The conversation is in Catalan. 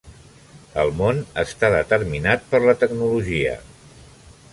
El món està determinat per la tecnologia.